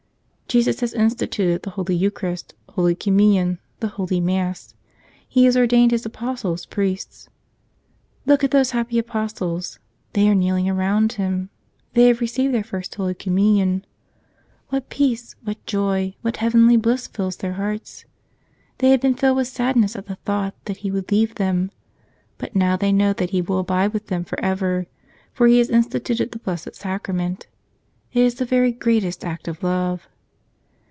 Jesus has instituted the Holy Eucharist, Holy Communion, the Holy Mass. He has ordained His Apostles priests. Look at those happy Apostles. They are kneeling around Him. They have received their First Holy Communion. What peace, what joy, what heavenly bliss fills their hearts! They had been filled with sad¬ ness at the thought that He would leave them ; but now they know that He will abide with them forever ; for He has instituted the Blessed Sacrament. It is the very greatest act of love.